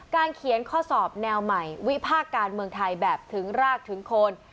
เขียนข้อสอบแนวใหม่วิภาคการเมืองไทยแบบถึงรากถึงโคน